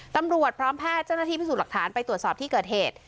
ตำรวจพร้อมแพทย์เจ้าหน้าที่พิสูจน์หลักฐานไปตรวจสอบที่เกิดเหตุ